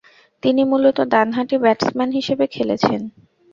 তিনি মূলতঃ ডানহাতি ব্যাটসম্যান হিসেবে খেলেছেন।